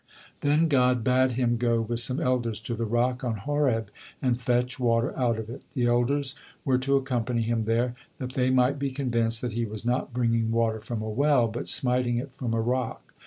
Then God bade him go with some elders to the rock on Horeb, and fetch water out of it. The elders were to accompany him there, that they might be convinced that he was not bringing water from a well, but smiting it from a rock.